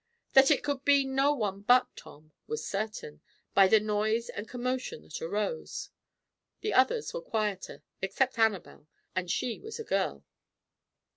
That it could be no one but Tom was certain, by the noise and commotion that arose; the others were quieter, except Annabel, and she was a girl.